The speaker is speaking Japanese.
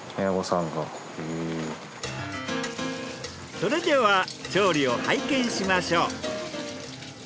それでは調理を拝見しましょう。